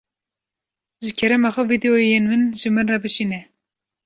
Ji kerema xwe vîdyoyên min ji min re bişîne.